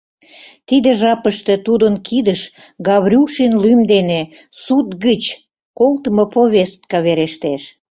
Тиде жапыште тудын кидыш Гаврюшин лӱм дене суд гыч колтымо повестка верештеш.